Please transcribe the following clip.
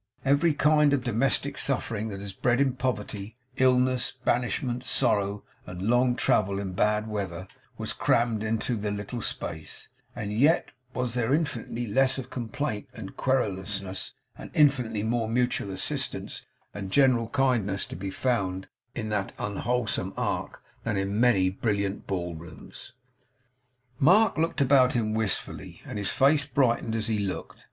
Every kind of domestic suffering that is bred in poverty, illness, banishment, sorrow, and long travel in bad weather, was crammed into the little space; and yet was there infinitely less of complaint and querulousness, and infinitely more of mutual assistance and general kindness to be found in that unwholesome ark, than in many brilliant ballrooms. Mark looked about him wistfully, and his face brightened as he looked.